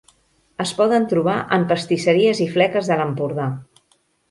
Es poden trobar en pastisseries i fleques de l'Empordà.